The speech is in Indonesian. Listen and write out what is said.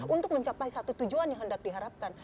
untuk mencapai satu tujuan yang hendak diharapkan